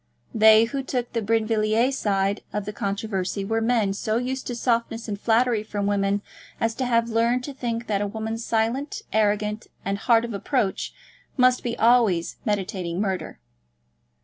They who took the Brinvilliers side of the controversy were men so used to softness and flattery from women as to have learned to think that a woman silent, arrogant, and hard of approach, must be always meditating murder.